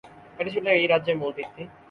এটি ছিল এই রাজ্যের মূল ভিত্তি।